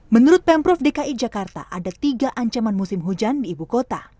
menurut pemprov dki jakarta ada tiga ancaman musim hujan di ibu kota